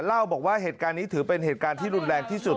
เล่าบอกว่าเหตุการณ์นี้ถือเป็นเหตุการณ์ที่รุนแรงที่สุด